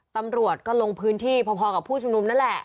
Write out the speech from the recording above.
ตำรวจก็ลงพื้นที่พอกับผู้ชุมนุมนั่นแหละ